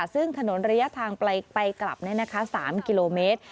ซึ่งถนนระยะทางไปกลับเนี่ยนะคะ๓กิโลเมตร